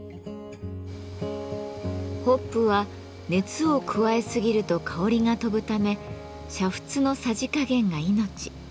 ホップは熱を加えすぎると香りが飛ぶため煮沸のさじ加減が命。